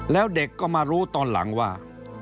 แล้วเด็กก็มารู้ตอนหลังว่า